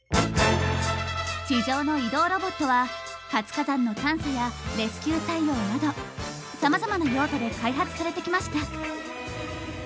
地上の移動ロボットは活火山の探査やレスキュー対応などさまざまな用途で開発されてきました。